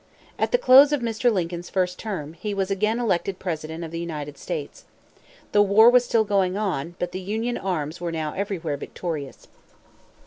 At the close of Mr. Lincoln's first term, he was again elected President of the United States. The war was still going on, but the Union arms were now everywhere victorious.